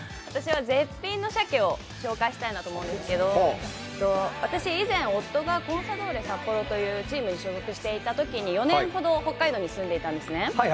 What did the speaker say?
私は絶品の鮭を紹介したいなと思うんですけど私、以前、夫がコンサドーレ札幌というチームに所属していたときに４年ほど北海道に住んでいたんですね。